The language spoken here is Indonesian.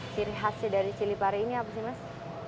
siri khasnya dari chili pari ini apa sih mas